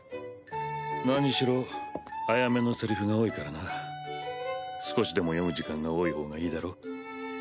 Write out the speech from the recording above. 何しろアヤメのセリフが多いからな少しでも読む時間が多い方がいいだろ？